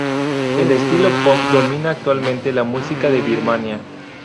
El estilo pop domina actualmente la música de Birmania.